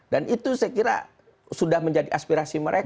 dan itu saya kira sudah menjadi aspirasi mereka